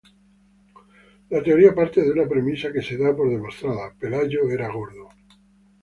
La teoría parte de una premisa que se da por demostrada: Pelayo era godo.